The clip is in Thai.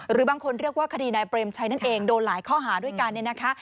หรือบางคนเรียกว่าคดีนายเปรมชัยนั่นเองโดนหลายข้อหาด้วยกันเนี่ยนะคะ